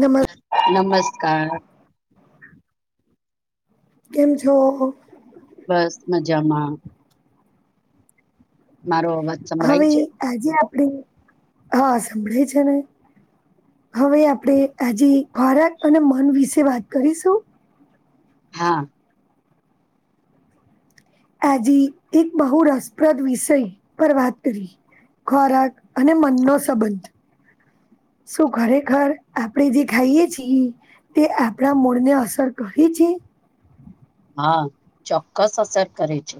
નમસ્ નમસ્કાર. કેમ છો? બસ, મજામાં. મારો અવાજ સંભળાય હવે છે આજે આપડે હન, સંભળાય છે ને? હવે આપડે આજે ખારાક અને મન વિશે વાત કરીશું. હા. આજે એક બહુ રસપ્રદ વિષય પર વાત કરી. ખોરાક અને મનનો સંબંધ. શું ખરેખર આપડે જે ખાઈએ છી તે આપડા મૂળને અસર કરી છે? [inaudible] હા, ચોક્કસ અસર કરે છે.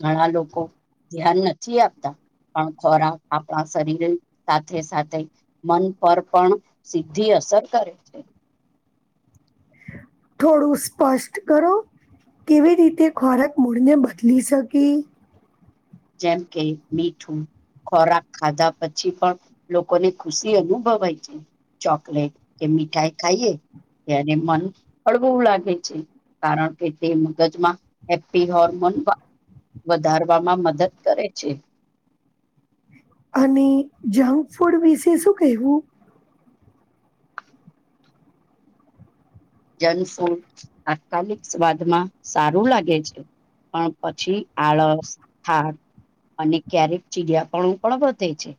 ઘણા લોકો ધ્યાન નથી આપતા પણ ખોરાક આપણા શરીર સાથે સાથે મન પર પણ સિધ્ધી અસર કરે છે. થોડું સ્પષ્ટ કરો કેવી રીતે ખોરાક મૂળને બદલી શકે જેમ કે મીઠું ખોરાક ખાધા પછી, પણ લોકોને ખુશી અનુભવાય છે. ચોકલેટ કે, મીઠાઈ ખાઈએ ત્યારે મન હળગું લાગે છે. કારણ કે તે મગજમાં હેપ્પી હોર્મોન વધારવામાં મદદ કરે છે. અને, જંક ફૂડ વિશે શું કહેવું જંક ફૂડ તાત્કાલિક સ્વાદમાં સારું લાગે છે. પણ પછી, આળસ થાક અને, ક્યારેક ચિડીયાપણું પણ વધે છે.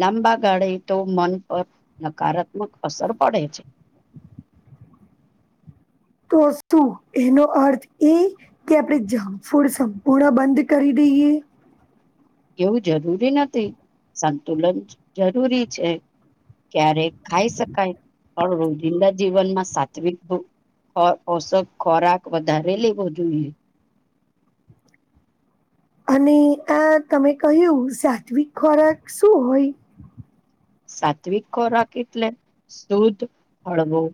લાંબા ગાળે તો મન પર નકારાત્મક અસર પડે છે. તો, શું એનો અર્થ એ કે આપણેે જંક ફૂડ સંપૂર્ણ બંધ કરી દઈએ અહ એવું જરૂરી નથી સંતુલન જરૂરી છે. ક્યારે ક ખાઈ શકાય પણ રોજિંદા જીવનમાં સાત્વિક ભ પ પોષક ખોરાક વધારે લેવો જોઈએ. અને, આ તમે કહ્યું સાત્વિક ખોરાક શું હોય? સાત્વિક ખોરાક એટલે શુદ્ધ, હળવું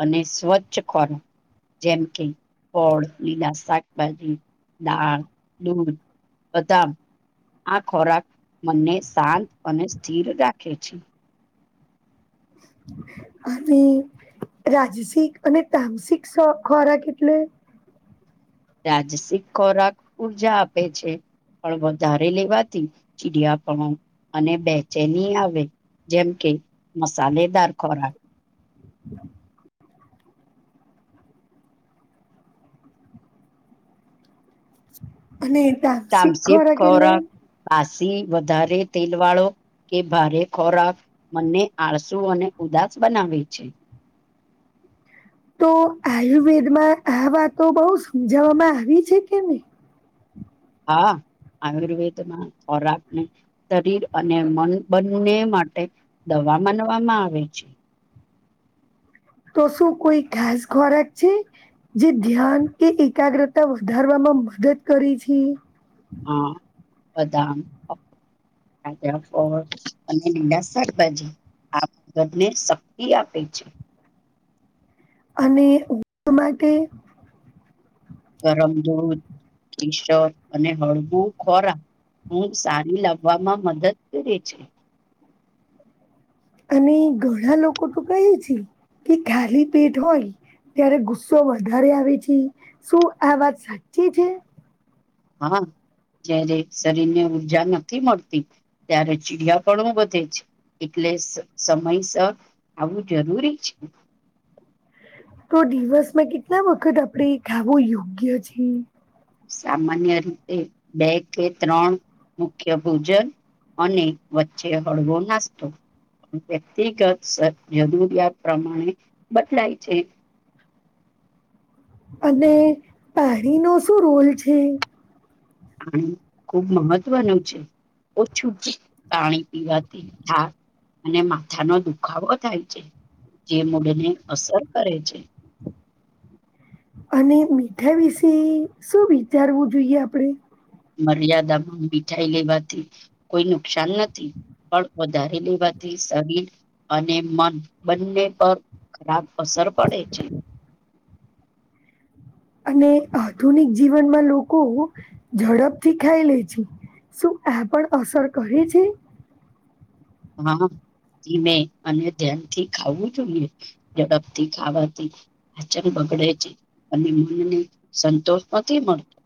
અને, સ્વચ્છ ખરાક જેમ કે ફળ, લીલા શાકભાજી, દાળ, દૂધ બધા આ ખોરાક મને શાંત અને સ્થિર રાખે છે. અહીં રાજસિક અને, તામસિક સો, ખોરાક એટલે રાજસિક ખોરાક ઉર્જા આપે છે. પણ વધારે લેવાથી ચીડિયાપણુ અને બેચેની આવે જેમ કે મસાલેદાર ખોરાક અને, તામસિક ખોરાક એટલે સી વધારે તેલ વાળો કે ભારે ખોરાક મનને આળસુ અને, ઉદાસ બનાવે છે. તો, આયુર્વેદમાં આ વાતો બહુ સમજાવામાં આવી છે, કે નહી. હા આયુર્વેદમાં ખોરાકને શરીર અને મન બંને માટે દવ વા માનવામાં આવે છે. તો શું કોઈ ખાસ ખોરાક છે. જે ધ્યાન કે એકાગ્રતા વધારવામાં મદદ કરી છીએ. હા, બદામ તાજા ફળ અને, લીલા શાકભાજી આ ને શક્તિ આપે છે. અને, માટે ગરમ દૂધ કીસક અને, હળવું ખોરાક હુંગ સારી લાવવામાં મદદ કરે છે. અને, ઘણા લોકો તો કહે છે. કે ખાલી પેટ હોય ત્યારે ગુસ્સો વધારે આવે છે શું આ વાત સાચ્ચી છે. હા જયારે શરીરને ઊર્જા નથી મળતી, ત્યારે ચીડિયાપણું વધે છે. એટલે એટલે સ-સમયસર આવું જરૂરી છે. તો દિવસમાં કેટલા વખત આપડે ખાવું યોગ્ય છે? સામાન્ય રીતે બે કે ત્રણ મુખ્ય ભોજન અને વચ્ચે હળવો નાસ્તો. વ્યક્તિગત સ-જરૂરિયાત પ્રમાણે બદલાય છે. [inaudible] અને પારીનો શું રોલ છે? પાણી ખુબ મહત્વનું છે. ઓછું જ પાણી પીવાથી હા અને માથાનો દુખાવો થાય છે. જે મૂડને અસર કરે છે. અને મીઠાઈ વિશે શું વિચારવું જોઈએ આપડે? મર્યાદામાં મીઠાઈ લેવાથી કોઈ નુકસાન નથી. પણ વધારે લેવાથી શરીર અને મન બંને પર ખરાબ અસર પડે છે. અને આધુનિક જીવનમાં લોકો ઝડપથી ખાઈ લે છે. શું આ પણ અસર કરે છે? હન. ધીમે અને ધ્યાનથી ખાવું જોઈએ. ઝડપથી ખાવાથી હચલ બગડે છે, અને મનને સંતોષ નથી મળતો.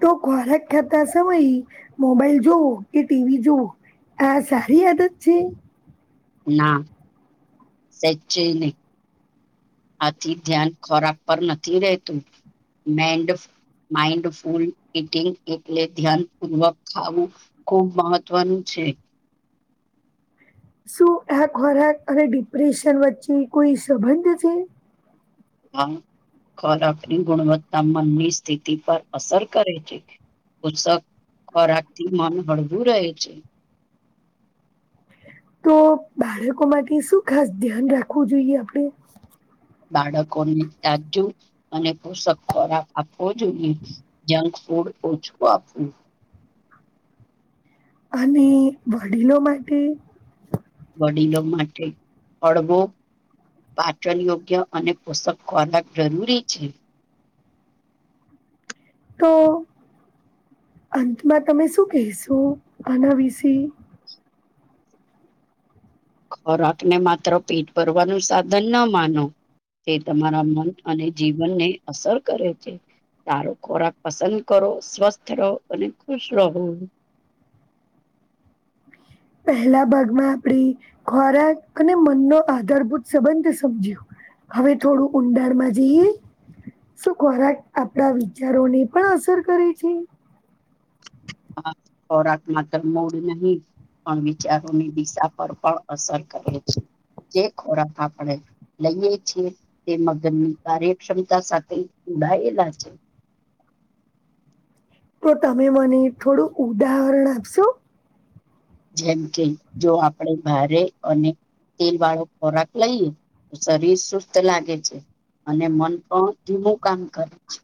તો ખોરાક ખાતા સમયે મોબાઈલ જોવો કે ટીવી જોવુ આ સરી આદત છેે? ના, સેજય નઈ. આથી ધ્યાન ખોરાક પર નથી રેહતું. મેન્ડ માઇન્ડફૂલ ઈટિંગ એટલે ધ્યાન પૂર્વક ખાવું ખુબ મહત્વનું [unintelligible] શું એ ખોરાક અને ડિપ્રેશન વચ્ચે કોઈ સંબંધ છે? હા, ખોરાકની ગુણવત્તા મનની સ્થિતિ પર અસર કરે છે. પુષક [unintelligible] ખોરાક થી મન હળવું રહે છે. તો બાળકો માટે શું ખાસ ધ્યાન રાખવું જોઈએ આપડે? બાળકોને તાજુ અને પોષક ખોરાક આપવો જોઈએ. જંક ફૂડ ઓછુ આપવુ. અને વડીલો માટે? વડીલો માટે, અળવો પાચનયોગ્ય અને પોષક ખોરાક જરૂરી છે. તો અંતમાં તમે શું કહેશો આના વિશે? ખોરાકને માત્ર પેટ ભરવાનું સાધન ના માનો તે તમારા મન અને જીવનને અસર કરે છે. સારો ખોરાક પસંદ કરો, સ્વસ્થ રહો અને ખુશ રહો. [inaudible] પેહલા ભાગમાં આપડે, ખોરાક અને મનનો આધારભૂત સંબંધ સમજ્યો. હવે થોડું ઊંડાણમાં જઈએ. શું ખોરાક આપડા વિચારોને પણ અસર કરે છે? હા, ખોરાક માત્ર મૂડ નહી પણ વિચારોની દિશા પર પણ અસર કરે છે. જે ખોરાક આપણે લઈએ છીએ તે મગજની કાર્યક્ષમતા સાથે જોડાયેલા છે. [inaudible] તો તમે મને થોડું ઉદાહરણ આપશો? જેમ કે, જો આપડે ભારે અને તેલ વાળો ખોરાક લઈએ તો શરીર સુસ્ત લાગે છે. અને, મન પણ ધીમું કામ કરે છે.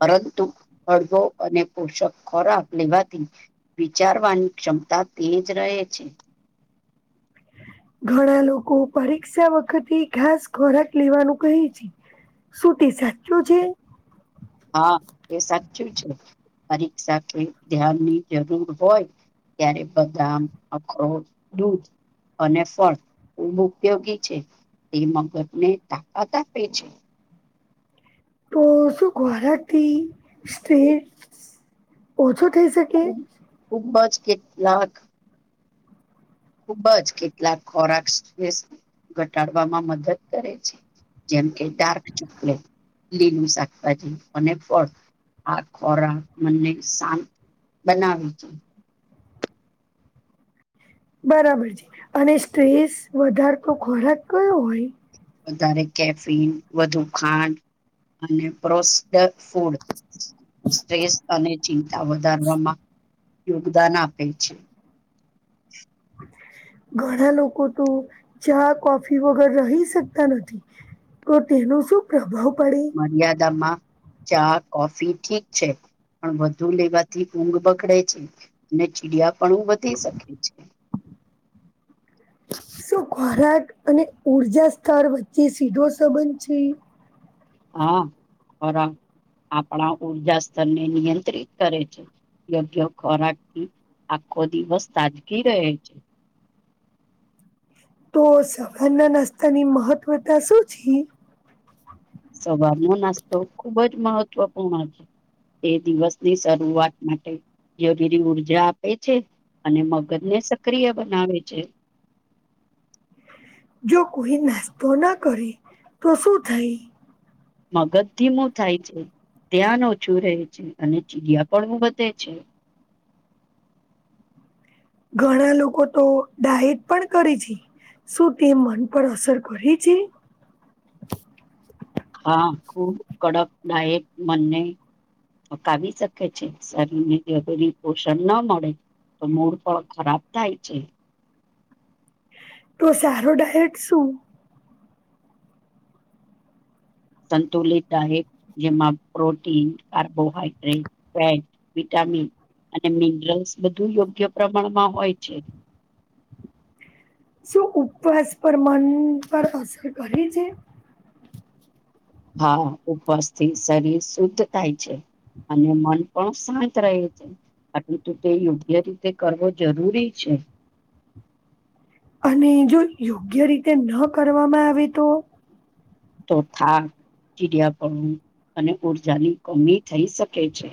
પરંતુ હળવો અને પોષક ખોરાક લેવાથી વિચારવાની ક્ષમતા તેજ રહે છે. ઘણા લોકો પરીક્ષા વખતે ખાસ ખોરાક લેવાનું કહે છે. સુતી સાચું છે? હા, એ સાચું છે પરીક્ષા કે ધ્યાનની જરૂર હોય ત્યારે બદામ અખરોટ દૂધ અને, ફળ ખૂબ ઉપયોગી છે. તે મગજને તાકાત આપે છે. તો, શું ખોરાખથી સ્ટ્રેસ ઓછો થઈ શકે ખુ, ખૂબ બજ કેટલાક ખૂબ જ કેટલાક ખોરાક સ્ટ્રેસ ઘટાડવામાં મદદ કરે છે. જેમ કે ડાર્ક ચોકલેટ લીલું શાકભાજી અને, ફળ આ ખોરાક મનને શાંત બનાવીજ બરાબર છે. અને સ્ટ્રેસ વધારતો ખોરાક કયો હોય વધારે કેફિન વધુ ખાંડ અને, પ્રોસ્ ફૂડ સ્ટ્રેસ અને, ચિંતા વધારવામાં યોગદાન આપે છે. ઘણા લોકો તો ચા, કોફી વગર રહી શકતા નથી તો, તેનો શું પ્રભાવ પડે મર્યાદામાં ચા, કોફી ઠીક છે. પણ વધુ લેવાથી ઊંઘ બગડે છે, અને ચીડિયાપણું વધી શકે છે. શું ખોરાક અને ઉર્જા સ્થળ વચ્ચે સીધો સંબંધ છે. હા, ખોરાક આપણા ઉર્જા સ્તરને નિયંત્રિત કરે છે. યોગ્ય ખોરાકથી આખો દિવસ તાજગી રહે છે. તો સવારના નાસ્તાની મહત્વતતા શું છે. સવારનો નાસ્તો, ખુબ જ મહત્વપૂર્ણ છે. એ દિવસની શરૂઆત માટે જરૂરી ઉર્જા આપે છે, અને મગજને સક્રિય બનાવે છે. જો કોઈ નાસ્તો ના કરે તો, શું થાય મગજ ધીમું થાય છે. ધ્યાન ઓછું રહે છે, અને ચીડિયાપણું વધે છે. ઘણા લોકો તો, ડાયટ પણ કરે છે. શું તે મન પર અસર કરે છે હા, ખૂબ કડકદાયક બંને થકવી શકે છે. શરીર ને જરૂરી પોષણ ના મળે તો, મૂડ પણ ખરાબ થાય છે. તો સારો ડાયટ શું સંતુલિત જેમાં પ્રોટીન કાર્બોહાઈડ્રેટ ફેટ વિટામિન અને, મિનરલ્સ બધું યોગ્ય પ્રમાણમાં હોય છે. શું ઉપવાસ પર મન પર અસર કરે છે. હા, ઉપવાસ થી શરીર શુદ્ધ થાય છે. અને, મન પણ શાંત રહે છે, આટલે તો તે યોગ્ય રીતે કરવો જરૂરી છે. હ અને, જો યોગ્ય રીતે ન કરવામાં આવે તો તો થાક ચીડિયાપણું અને ઉર્જાની કમી થઈ શકે છે.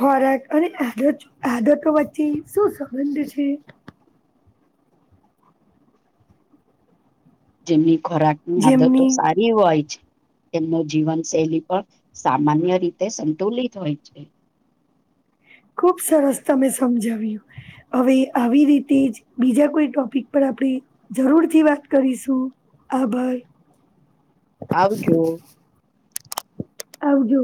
ખોરાક અને આદત આદતો વચ્ચે શું સંબંધ છે? જેમની ખોરાકની આદતો જેમની સારી હોય તેમનો જીવનશૈલી પણ સામાન્ય રીતે સંતુલિત હોય છે. ખુબ સરસ તમે સમજાવ્યું હવે આવી રીતે જ બીજા કોઈ ટોપિક પર આપડે જરૂર થી વાત કરીશું, આભાર. આવજો. આવજો.